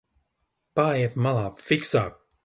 Paejiet malā, fiksāk!